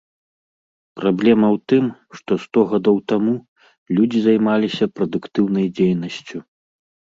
Праблема ў тым, што сто гадоў таму людзі займаліся прадуктыўнай дзейнасцю.